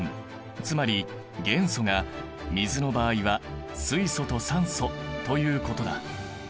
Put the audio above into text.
つまり元素が水の場合は水素と酸素ということだ。